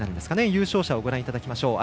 優勝者をご覧いただきましょう。